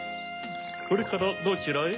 これからどちらへ？